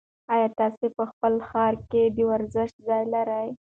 ایا تاسي په خپل ښار کې د ورزش ځای لرئ؟